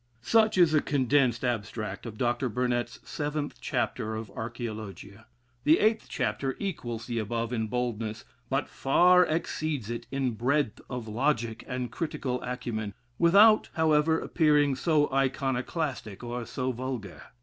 Such is a condensed abstract of Dr. Burnet's seventh chapter of "Archæologia." The eighth chapter equals the above in boldness; but far exceeds it in breadth of logic and critical acumen, without, however, appearing so iconoclastic or so vulgar.